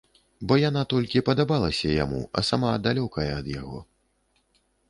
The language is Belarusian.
Бо яна толькі падабалася яму, а сама далёкая ад яго.